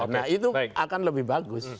nah itu akan lebih bagus